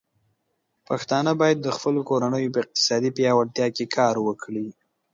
پښتانه بايد د خپلو کورنيو په اقتصادي پياوړتيا کې کار وکړي.